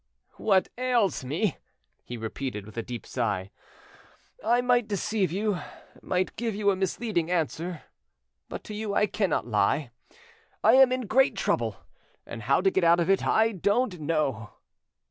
"What ails me?" he repeated, with a deep sigh. "I might deceive you, might give you a misleading answer, but to you I cannot lie. I am in great trouble, and how to get out of it I don't know."